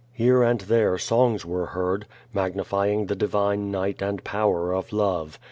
Here and there songs were heard, magnifying the divine night and power of love.